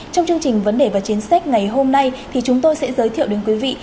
trong chương trình vấn đề và chính sách ngày hôm nay thì chúng tôi sẽ giới thiệu đến quý vị